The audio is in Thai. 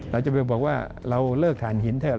เราจะไปบอกว่าเราเลิกฐานหินเถอะ